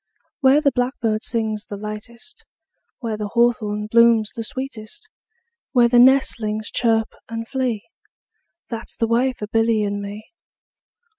Where the blackbird sings the latest, 5 Where the hawthorn blooms the sweetest, Where the nestlings chirp and flee, That 's the way for Billy and me.